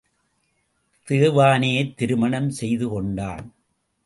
தேவானையைத் திருமணம் செய்து கொண்டான்.